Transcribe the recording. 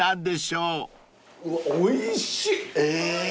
うわっおいしい！